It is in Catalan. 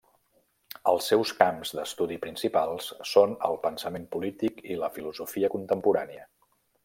Els seus camps d'estudi principals són el pensament polític i la filosofia contemporània.